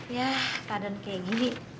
ya padan kayak gini